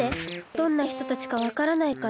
どんなひとたちかわからないから。